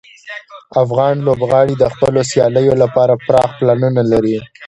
افغان لوبغاړي د خپلو سیالیو لپاره پراخ پلانونه لري.